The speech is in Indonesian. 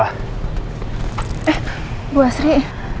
eh bu asri